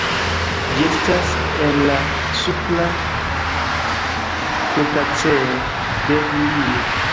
Ĝi estas el la supra kretaceo de Hindio.